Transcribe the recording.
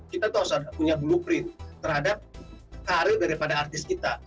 kita tuh harus ada punya blueprint terhadap karir daripada artis kita